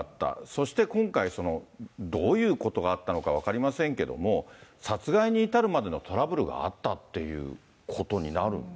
そして今回、どういうことがあったのか分かりませんけども、殺害に至るまでのトラブルがあったっていうことになる？